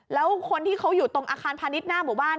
แล้วคนที่เขาอยู่ตรงอาคารพาณิชย์หน้าหมู่บ้าน